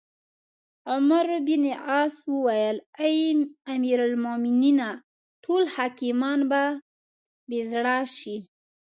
عمروبن عاص وویل: اې امیرالمؤمنینه! ټول حاکمان به بې زړه شي.